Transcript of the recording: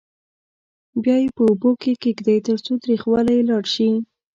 بیا یې په اوبو کې کېږدئ ترڅو تریخوالی یې لاړ شي.